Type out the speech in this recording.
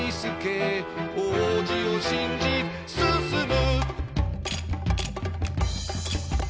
「王子を信じ進む」